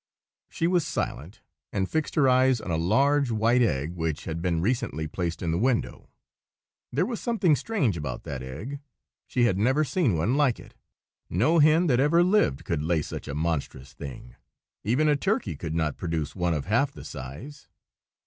She was silent, and fixed her eyes on a large white egg which had been recently placed in the window. There was something strange about that egg. She had never seen one like it. No hen that ever lived could lay such a monstrous thing; even a turkey could not produce one of half the size.